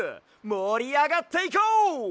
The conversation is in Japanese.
もりあがっていこう！